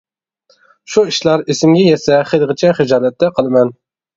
شۇ ئىشلار ئېسىمگە يەتسە خېلىغىچە خىجالەتتە قالىمەن.